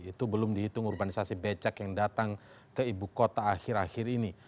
itu belum dihitung urbanisasi becak yang datang ke ibu kota akhir akhir ini